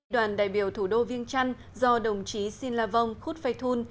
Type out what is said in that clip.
đoàn đại biểu thủ đô viêng trăn do đồng chí xin la vong khuất phai thun